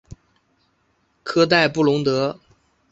科代布龙德。